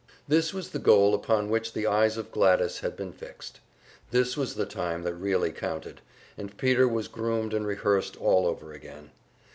This was the goal upon which the eyes of Gladys had been fixed. This was the time that really counted, and Peter was groomed and rehearsed all over again.